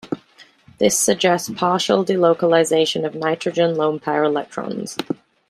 This suggests partial delocalisation of nitrogen lone-pair electrons.